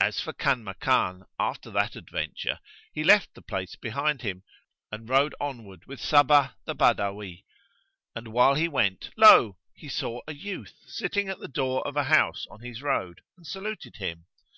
As for Kanmakan after that adventure, he left the place behind him and rode onward with Sabbah the Badawi. And the while he went, lo! he saw a youth sitting at the door of a house on his road and saluted him.